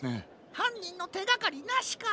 はんにんのてがかりなしか。